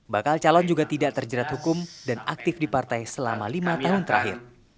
bakal calon juga tidak terjerat hukum dan aktif di partai selama lima tahun terakhir